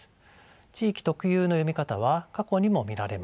地域特有の読み方は過去にも見られます。